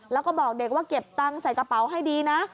แล้วก็บอกเด็กว่าเก็บตังค์ใส่กระเป๋าให้ดีนะ